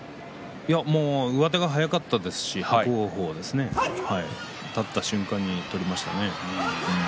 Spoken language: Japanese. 上手が速かったですし伯桜鵬は立った瞬間に取りましたね。